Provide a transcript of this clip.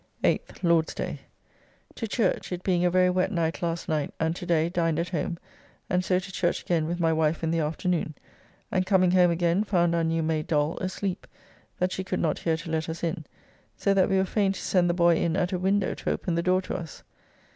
8th (Lord's day). To church, it being a very wet night last night and to day, dined at home, and so to church again with my wife in the afternoon, and coming home again found our new maid Doll asleep, that she could not hear to let us in, so that we were fain to send the boy in at a window to open the door to us.